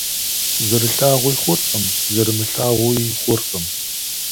Зэрылъагъуи хъуркъым, зэрымылъагъууи хъуркъым.